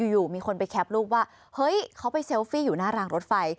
อยู่มีคนไปแคปรูปว่าเฮ้ยเขาไปเซลฟี่อยู่หน้ารางรถไฟ